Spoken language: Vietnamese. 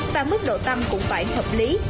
và mức độ tăng cũng phải hợp lý